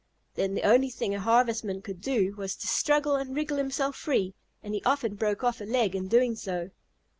Then the only thing a Harvestman could do was to struggle and wriggle himself free, and he often broke off a leg in doing so.